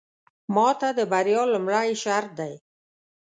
ماته د بريا لومړې شرط دی.